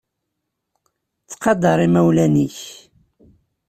Ttqadar imawlan-nnek.